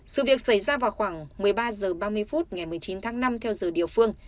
sự việc xảy ra vào khoảng một mươi ba h ba mươi phút ngày một mươi chín tháng năm theo giờ địa phương